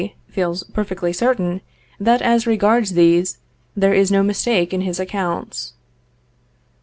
feels perfectly certain that as regards these, there is no mistake in his accounts.